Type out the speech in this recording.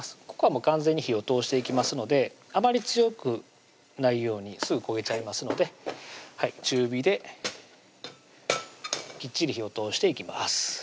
ここは完全に火を通していきますのであまり強くないようにすぐ焦げちゃいますので中火できっちり火を通していきます